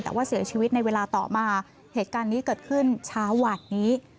แต่ว่าเสียชีวิตในเวลาต่อมาเหตุการณ์นี้เกิดขึ้นเช้าหวาดนี้